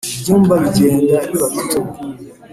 ibyumba bigenda biba bito